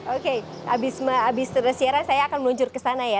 oke habis tersiaran saya akan meluncur ke sana ya